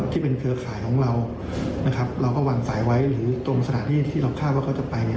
เครือข่ายของเรานะครับเราก็วางสายไว้หรือตรงสถานที่ที่เราคาดว่าเขาจะไป